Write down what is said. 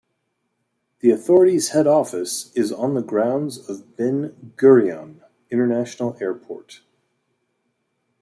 The authority's head office is on the grounds of Ben Gurion International Airport.